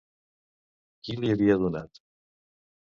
Qui l'hi havia donat?